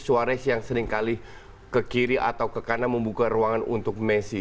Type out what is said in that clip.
suarez yang seringkali ke kiri atau ke kanan membuka ruangan untuk messi